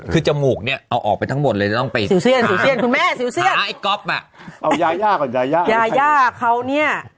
คือจมูกเนี่ยเอาออกไปทั้งหมดเลยต้องไปหาไอ้ก๊อบมาเอาย่าเขาเนี่ย